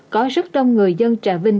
có rất đông người dân trà vinh